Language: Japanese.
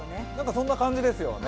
そんな感じですよね